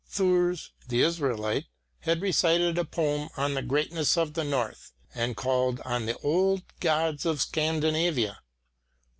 Thurs, the Israelite, had recited a poem on the greatness of the North, and called on the old gods of Scandinavia.